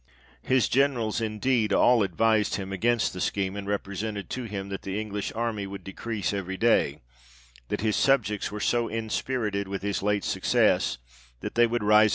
His generals indeed all advised him against the scheme ; and represented to him that the English army would decrease every day ; that his subjects were so inspirited with his late success, that they would rise 54 THE REIGN OF GEORGE VI.